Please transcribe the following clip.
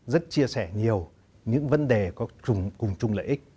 rất chia sẻ nhiều những vấn đề có cùng chung lợi ích